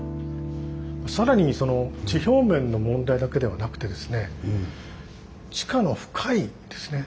更に地表面の問題だけではなくてですねということをですね